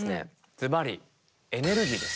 ズバリ「エネルギー」です。